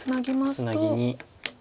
ツナギに。